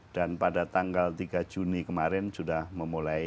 dan pada tanggal tiga juni kemarin sudah memulai